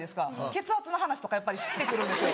血圧の話とかやっぱりしてくるんですよ。